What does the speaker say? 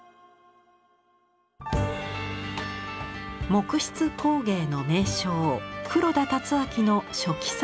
木漆工芸の名匠黒田辰秋の初期作品。